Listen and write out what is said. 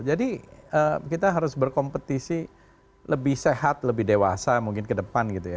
jadi kita harus berkompetisi lebih sehat lebih dewasa mungkin ke depan gitu ya